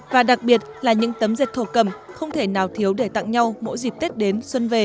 và đặc biệt là những tấm dệt thổ cầm không thể nào thiếu để tặng nhau mỗi dịp tết đến xuân về